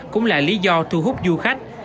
cũng là lý do thu hút du khách